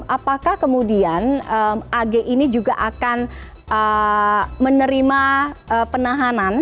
apakah kemudian ag ini juga akan menerima penahanan